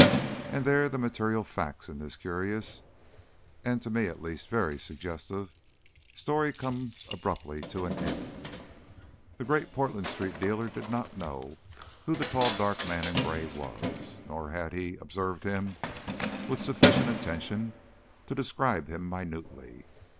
And there the material facts in this curious, and to me at least very suggestive, story come abruptly to an end. The Great Portland Street dealer did not know who the tall dark man in grey was, nor had he observed him with sufficient attention to describe him minutely.